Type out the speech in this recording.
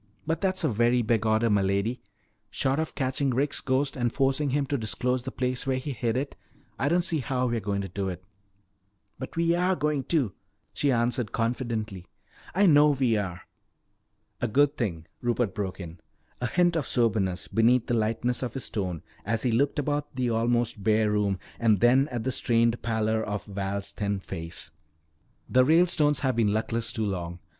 "But that's a very big order, m'lady. Short of catching Rick's ghost and forcing him to disclose the place where he hid it, I don't see how we're going to do it." "But we are going to," she answered confidently. "I know we are!" "A good thing," Rupert broke in, a hint of soberness beneath the lightness of his tone as he looked about the almost bare room and then at the strained pallor of Val's thin face. "The Ralestones have been luckless too long.